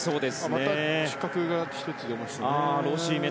また失格が出ましたね。